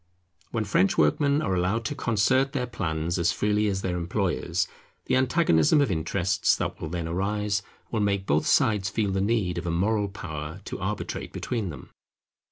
When French workmen are allowed to concert their plans as freely as their employers, the antagonism of interests that will then arise will make both sides feel the need of a moral power to arbitrate between them.